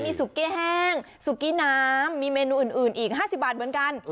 มีซุกี้แห้งสุกี้น้ำมีเมนูอื่นอีก๕๐บาทเหมือนกัน